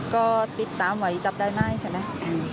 ก็ติดตามไหวจับได้ง่ายเฉย